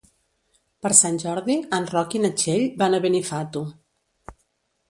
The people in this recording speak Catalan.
Per Sant Jordi en Roc i na Txell van a Benifato.